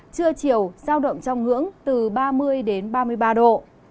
trưa chiều giao động trong ngưỡng từ ba mươi đến ba mươi ba độ